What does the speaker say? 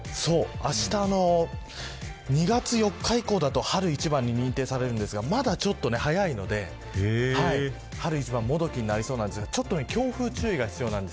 あしたの２月４日以降だと春一番に認定されるんですがまだちょっと早いので春一番もどきになりそうなんですがちょっと強風注意が必要です。